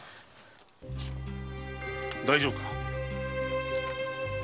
大丈夫か？